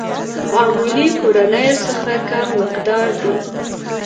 معمولي کورنيو څخه کم مقدار دي.